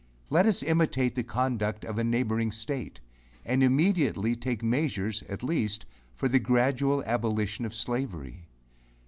Let us imitate the conduct of a neighboring state, and immediately take measures, at least, for the gradual abolition of slavery.